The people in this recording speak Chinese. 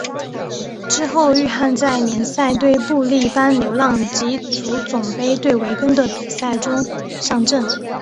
之后域汉在联赛对布力般流浪及足总杯对韦根的比赛中上阵。